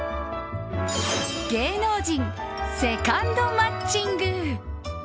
芸能人セカンド街ング。